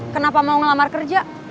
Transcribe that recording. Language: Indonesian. kenapa mau ngelamar kerja